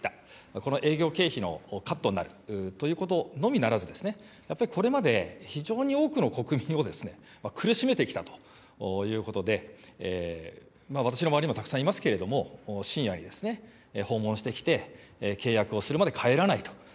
この営業経費のカットになるということのみならず、やっぱりこれまで非常に多くの国民を苦しめてきたということで、私の周りにもたくさんいますけれども、深夜に訪問してきて、契約をするまで帰らないと。